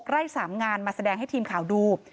ไร่๓งานมาแสดงให้ทีมข่าวดู